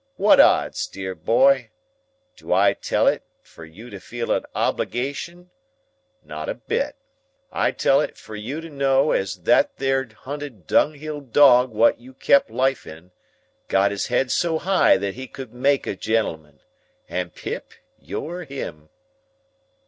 What odds, dear boy? Do I tell it, fur you to feel a obligation? Not a bit. I tell it, fur you to know as that there hunted dunghill dog wot you kep life in, got his head so high that he could make a gentleman,—and, Pip, you're him!"